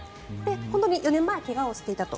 ４年前怪我をしていたと。